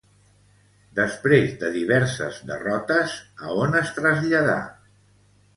Després de diverses derrotes, a on es traslladà?